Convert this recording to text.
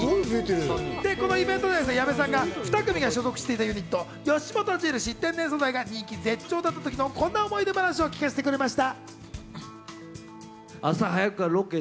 このイベントで矢部さんが２組が所属していたユニット、吉本印天然素材が人気絶頂だった時のこんな思い出話を教えてくれました。